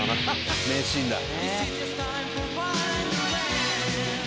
名シーンだ。